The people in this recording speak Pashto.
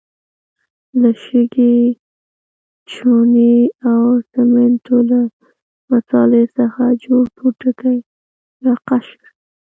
له شګې، چونې او سمنټو له مسالې څخه جوړ پوټکی یا قشر دی.